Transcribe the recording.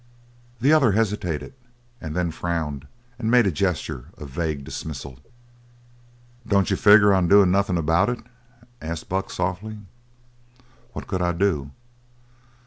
The other hesitated and then frowned and made a gesture of vague dismissal. "Don't you figure on doin' nothing about it?" asked Buck softly. "What could I do?"